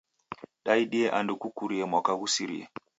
Daidie andu kukurie mwaka ghusirie.